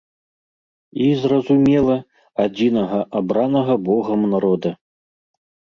І, зразумела, адзінага абранага богам народа.